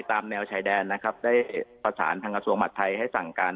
ตามแนวชายแดนนะครับได้ประสานทางกระทรวงหมัดไทยให้สั่งการ